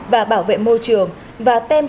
và bảo vệ môi trường và tem